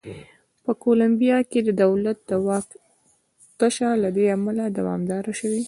په کولمبیا کې د دولت د واک تشه له دې امله دوامداره شوې.